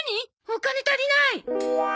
お金足りない！